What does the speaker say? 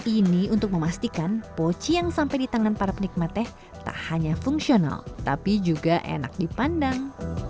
ini untuk memastikan poci yang sampai di tangan para penikmat teh tak hanya fungsional tapi juga enak dipandang